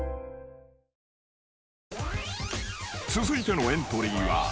［続いてのエントリーは］